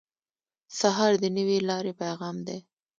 سهار د نوې لارې پیغام دی.